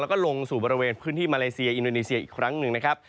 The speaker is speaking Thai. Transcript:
แล้วก็ลงสู่บริเวณพื้นที่มาเลเซียอินโดนีเซียอีกครั้งหนึ่งนะครับ